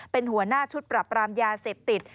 เป็นหัวหน้าชุดปรับรามยาเสพติด